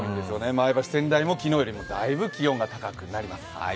前橋、仙台も昨日よりだいぶ気温が高くなります。